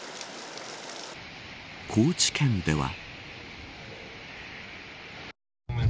高知県では。